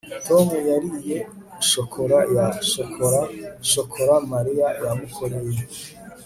tom yariye shokora ya shokora shokora mariya yamukoreye